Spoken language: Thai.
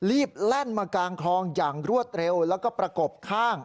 แล่นมากลางคลองอย่างรวดเร็วแล้วก็ประกบข้าง